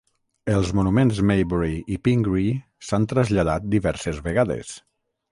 Els monuments Maybury i Pingree s'han traslladat diverses vegades.